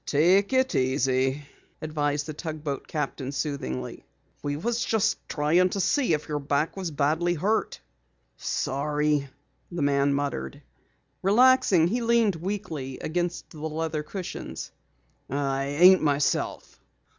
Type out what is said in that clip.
"Take it easy," advised the tugboat captain soothingly. "We was just tryin' to see if your back was badly hurt." "Sorry," the man muttered. Relaxing, he leaned weakly against the leather cushions. "I ain't myself."